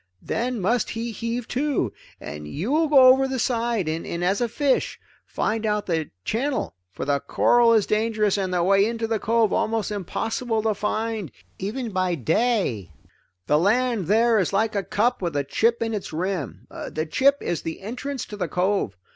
Then must he heave to, and you will go over the side, and as a fish, find out the channel, for the coral is dangerous and the way into the cove almost impossible to find even by day. "The land there is like a cup with a chip in its rim; the chip is the entrance to the cove.